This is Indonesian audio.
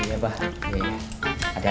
bu bumih ada dua